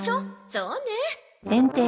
そうね。